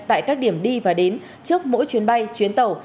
tại các điểm đi và đến trước mỗi chuyến bay chuyến tàu